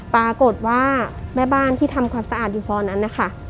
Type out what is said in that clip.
ปรากฏว่าแม่บ้านที่ทำความสะอาดอยู่ฟอร์นั้นนะคะ